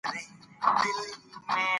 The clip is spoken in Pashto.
د مېلو یوه برخه هم د کوچنيانو انځورګرۍ يي.